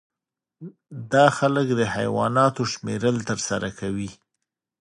دا خلک د حیواناتو شمیرل ترسره کوي